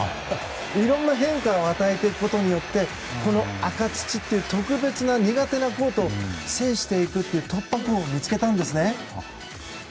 いろんな変化を与えていくことによってこの赤土という特別、苦手なコートを制していくっていう突破口を見つけたんですね。